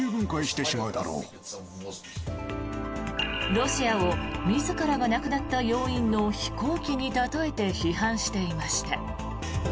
ロシアを自らが亡くなった要因の飛行機に例えて批判していました。